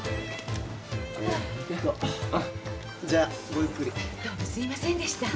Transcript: どうもすいませんでした。